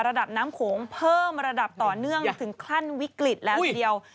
ระดับน้ำโขงเพิ่มระดับต่อเนื่องถึงขั้นวิกฤตแล้วทีเดียว